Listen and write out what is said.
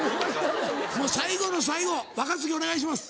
もう最後の最後若槻お願いします。